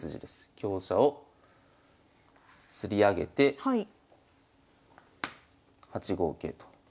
香車をつり上げて８五桂と。